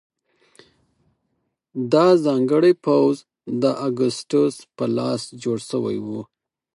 دا ځانګړی پوځ د اګوستوس په لاس جوړ شوی و.